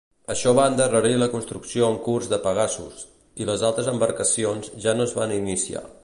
Això va endarrerir la construcció en curs de "Pegasus", i les altres embarcacions ja no es van iniciar.